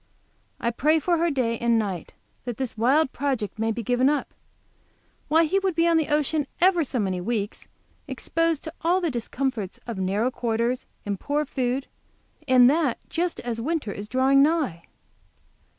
I pray for her day and night, that this wild project may be given up. Why, he would be on the ocean ever so many weeks, exposed to all the discomforts of narrow quarters and poor food, and that just as winter is drawing nigh!